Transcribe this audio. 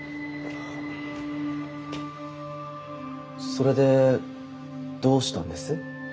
それでどうしたんです？